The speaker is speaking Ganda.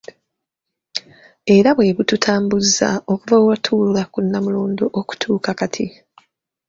Era bwe bututaambuzza okuva lwe watuula ku Nnamulondo okutuuka kati.